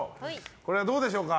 これはどうでしょうか。